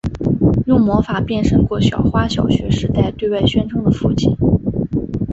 用魔法变身过小花小学时代对外宣称的父亲。